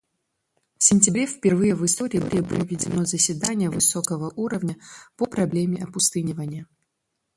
В сентябре впервые в истории было проведено заседание высокого уровня по проблеме опустынивания.